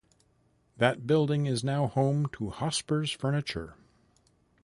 That building is now home to Hospers Furniture.